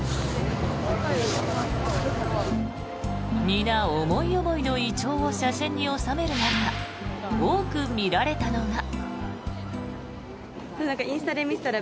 皆、思い思いのイチョウを写真に収める中多く見られたのが。